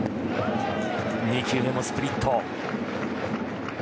２球目もスプリット。